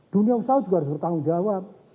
dunia usaha juga harus bertanggung jawab